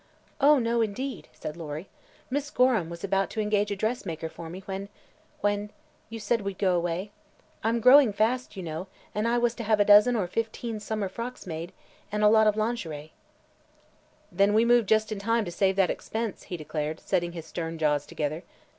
"Oh, no indeed," said Lory. "Miss Gorham was about to engage a dressmaker for me when when you said we'd go away. I'm growing fast, you know, and I was to have a dozen or fifteen summer frocks made, and a lot of lingerie." "Then we moved just in time to save that expense," he declared, setting his stern jaws together.